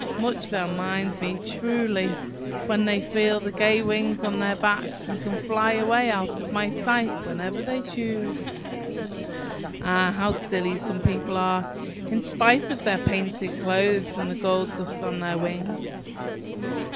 Much they'll mind me, truly, when they feel the gay wings on their backs, and can fly away out of my sight whenever they choose! Ah! how silly some people are, in spite of their painted clothes and the gold dust on their wings!"